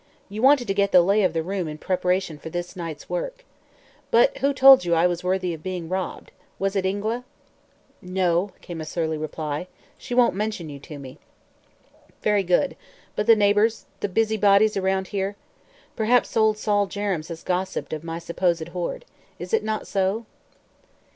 You wanted to get the lay of the room, in preparation for this night's work. But who told you I was worthy of being robbed? Was it Ingua?" "No," came a surly reply. "She won't mention you to me." "Very good. But the neighbors the busy bodies around here? Perhaps old Sol Jerrems has gossiped of my supposed hoard. Is it not so?"